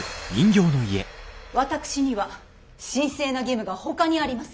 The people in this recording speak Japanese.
私には神聖な義務がほかにあります。